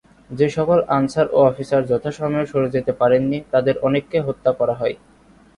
যেসকল আনসার ও অফিসার যথাসময়ে সরে যেতে পারেন নি তাদের অনেককে হত্যা করা হয়।